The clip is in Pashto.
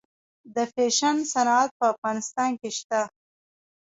د فیشن صنعت په افغانستان کې شته؟